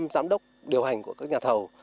năm giám đốc điều hành của các nhà thầu